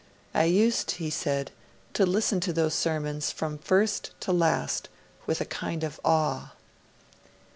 'I used,' he said, 'to listen to those sermons from first to last with a kind of awe.'